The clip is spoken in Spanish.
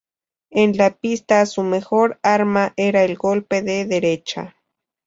En la pista, su mejor arma era el golpe de derecha.